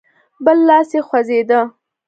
بل لاس يې خوځېده.